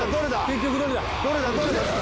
結局どれだ？